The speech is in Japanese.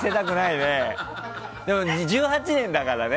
でも、１８年だからね。